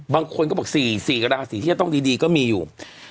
บางคนก็บอก๔ราศีที่จะต้องดีก็มีอยู่